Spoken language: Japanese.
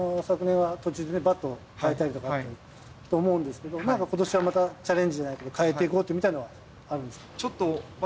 昨年は途中でバットを変えたりとかっていうのもあったと思うんですけど、ことしはまたチャレンジじゃないけど変えていこうというのはあるんですか。